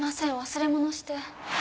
忘れ物して。